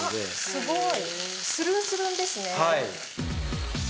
すごい。